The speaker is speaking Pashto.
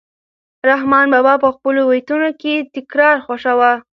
رحمان بابا په خپلو بیتونو کې تکرار خوښاوه.